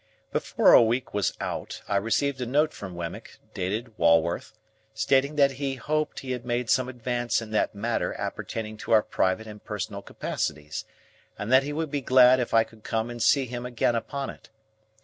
Before a week was out, I received a note from Wemmick, dated Walworth, stating that he hoped he had made some advance in that matter appertaining to our private and personal capacities, and that he would be glad if I could come and see him again upon it.